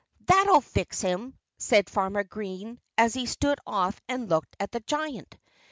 "That'll fix him!" said Farmer Green, as he stood off and looked at the giant.